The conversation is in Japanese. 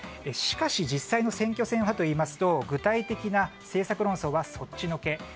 しかし実際の選挙戦はといいますと具体的な政策論争はそっちのけ。